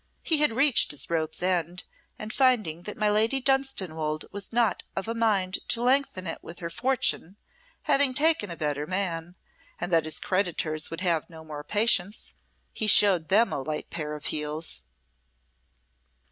"He had reached his rope's end, and finding that my Lady Dunstanwolde was not of a mind to lengthen it with her fortune, having taken a better man, and that his creditors would have no more patience, he showed them a light pair of heels."